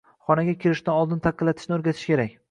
– xonaga kirishdan oldin taqillatishni o'rgatish kerak.